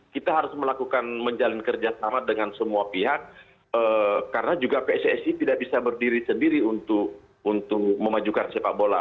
kita harus melakukan menjalin kerjasama dengan semua pihak karena juga pssi tidak bisa berdiri sendiri untuk memajukan sepak bola